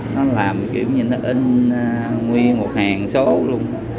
nó làm kiểu như nó in nguyên một hàng số luôn